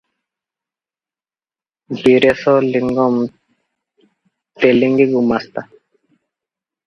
ବିରେଶ ଲିଙ୍ଗମ୍ ତେଲିଙ୍ଗୀ ଗୁମାସ୍ତା ।